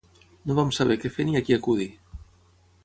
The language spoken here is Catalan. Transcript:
No vam saber què fer ni a qui acudir.